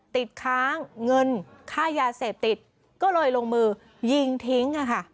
ติดค้างเงินค่ายาเสพติดก็เลยลงมือยิงทิ้ง